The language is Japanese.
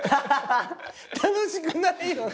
楽しくないよね。